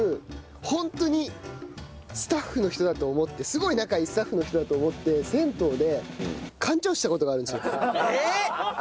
ホントにスタッフの人だと思ってすごい仲いいスタッフの人だと思って銭湯でカンチョーした事があるんですよ。えっ！？